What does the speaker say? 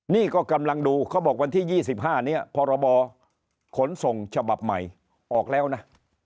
นี่ก็กำลังดูเขาบอกวันที่๒๕นี้พรบขนส่งฉบับใหม่ออกแล้วนะ